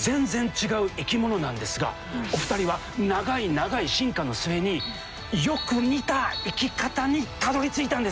全然違う生きものなんですがお二人は長い長い進化の末によく似た生き方にたどりついたんです！